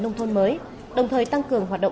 nông thôn mới đồng thời tăng cường hoạt động